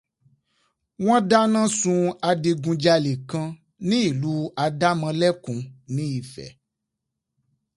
Wọ́n dáná sun adigunjalè kan ni ìlú Adámọlẹ́kun ní Ifẹ̀